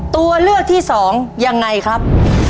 ตัวเลือกที่สองยังไงครับ